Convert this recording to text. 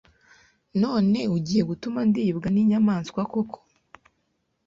none ugiye gutuma ndibwa n' inyamaswa kok